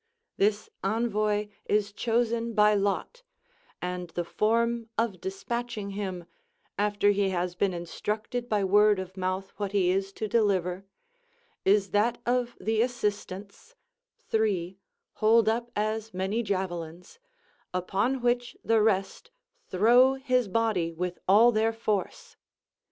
This envoy is chosen by lot, and the form of dispatching him, after he has been instructed by word of mouth what he is to deliver, is that of the assistants, three hold up as many javelins, upon which the rest throw his body with all their force.